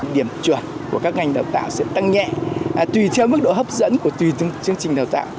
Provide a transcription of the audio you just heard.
điểm chuẩn của các ngành đào tạo sẽ tăng nhẹ tùy theo mức độ hấp dẫn của tùy chương trình đào tạo